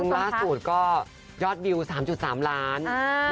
ซึ่งล่าสุดก็ยอดบิวสามจุดสามล้านอ่า